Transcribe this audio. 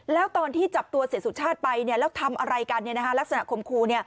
แล้วตอนที่จับตัวเสียสุชาติไปแล้วทำอะไรกันลักษณะคมครู